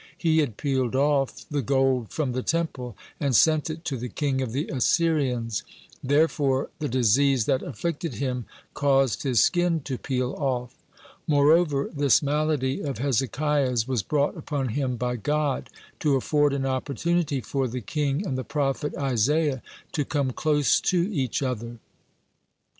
He had "peeled off" the gold from the Temple, and sent it to the king of the Assyrians; therefore the disease that afflicted him caused his skin to "peel off." (72) Moreover, this malady of Hezekiah's was brought upon him by God, to afford an opportunity for the king and the prophet Isaiah to come close to each other.